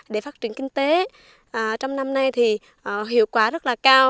để phát triển kinh tế trong năm nay thì hiệu quả rất là cao